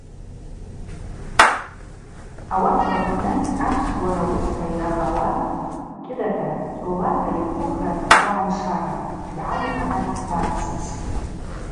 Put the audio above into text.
Ауатква рпны апсуара уыста йахауа – кӏьыдата цӏолата йырхъвыхра атахъу гӏаншарапӏ, – йгӏаликӏгӏатӏ Барцыц.